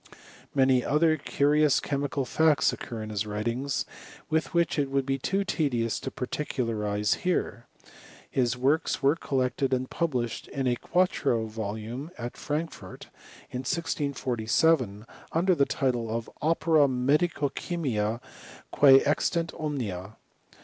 Many other curious chemical facts occur in his writings, which it would be too te dious to particularize here. His works were collected and published in a quarto volume at Frankfort, in 1647, under the title of " Opera Medico chymica, quce extant omnia.'